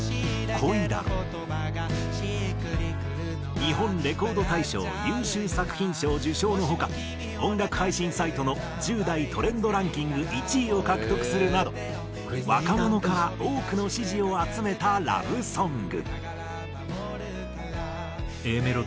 日本レコード大賞優秀作品賞受賞の他音楽配信サイトの１０代トレンドランキング１位を獲得するなど若者から多くの支持を集めたラブソング。